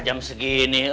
kita pulang aja yuk